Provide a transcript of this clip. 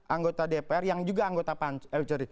anggota dpr yang juga anggota pansus